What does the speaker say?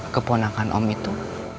keponakan om itu